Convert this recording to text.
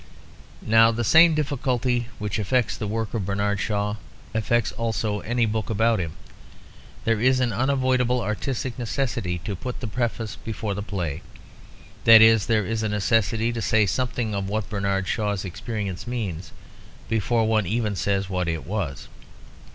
Now the same difficulty which affects the work of Bernard Shaw affects also any book about him. There is an unavoidable artistic necessity to put the preface before the play; that is, there is a necessity to say something of what Bernard Shaw's experience means before one even says what it was.